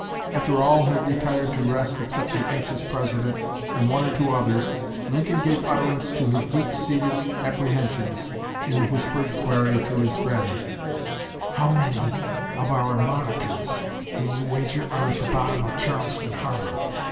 After all had retired to rest except the anxious President and one or two others, Lincoln gave utterance to his deep seated apprehensions in the whispered query to his friend, "How many of our monitors will you wager are at the bottom of Charleston Harbor?"